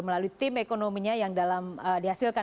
melalui tim ekonominya yang dalam dihasilkan